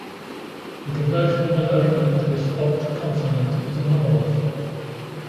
The conversion of an open into a stopped consonant is anomalous.